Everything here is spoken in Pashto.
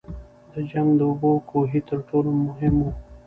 د جنګ د اوبو کوهي تر ټولو مهم وو.